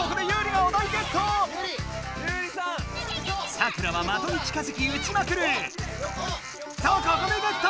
サクラは的に近づきうちまくる！とここでゲット！